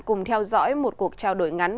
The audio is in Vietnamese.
cùng theo dõi một cuộc trao đổi ngắn